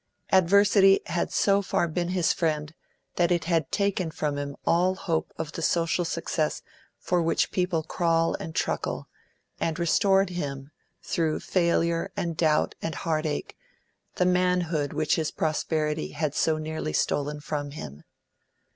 Adversity had so far been his friend that it had taken from him all hope of the social success for which people crawl and truckle, and restored him, through failure and doubt and heartache, the manhood which his prosperity had so nearly stolen from him.